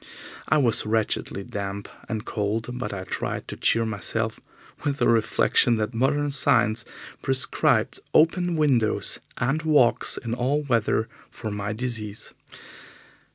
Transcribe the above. I was wretchedly damp and cold, but I tried to cheer myself with the reflection that modern science prescribed open windows and walks in all weather for my disease.